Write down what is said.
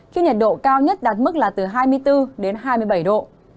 khi nhiệt độ cao nhất đạt mức là từ hai mươi bốn đến hai mươi bảy độ